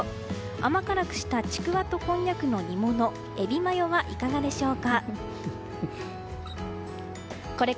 甘辛くしたちくわとこんにゃくの煮物エビマヨはいかがでしょうか。